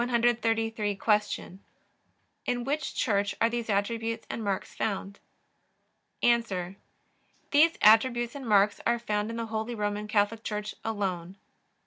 Q. In which Church are these attributes and marks found? A. These attributes and marks are found in the Holy Roman Catholic Church alone.